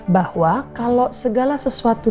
bahwa kalau segala sesuatu